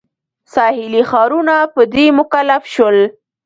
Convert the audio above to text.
ساحلي ښارونه په دې مکلف شول.